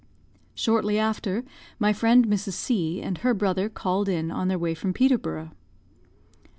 Shortly after, my friend Mrs. C and her brother called in, on their way from Peterborough.